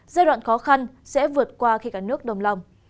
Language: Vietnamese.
giai đoạn khó khăn sẽ vượt qua khi cả nước đồng lòng